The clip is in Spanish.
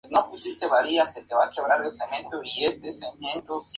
Ángel Nieto y el italiano Eugenio Lazzarini fueron segundo y tercero respectivamente.